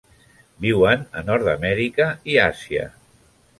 Viuen a Nord-amèrica i Àsia.